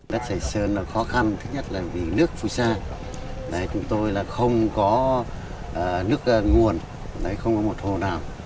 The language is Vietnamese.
đất sài sơn là khó khăn thứ nhất là vì nước phù sa chúng tôi là không có nước nguồn không có một hồ nào